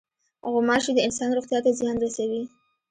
غوماشې د انسان روغتیا ته زیان رسوي.